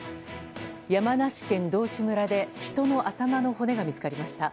山梨県道志村で人の頭の骨が見つかりました。